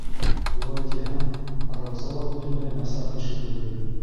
Улай тиһәң, Рауза ла бөтөнләй насар кеше түгел.